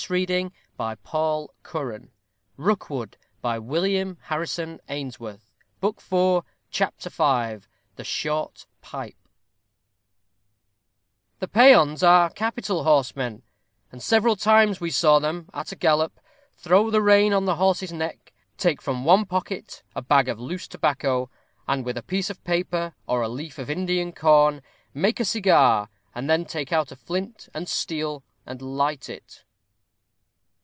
resounded on all hands, while hisses were as liberally bestowed upon his pursuers. CHAPTER V THE SHORT PIPE The Peons are capital horsemen, and several times we saw them, at a gallop, throw the rein on the horse's neck, take from one pocket a bag of loose tobacco, and, with a piece of paper, or a leaf of Indian corn, make a cigar, and then take out a flint and steel and light it.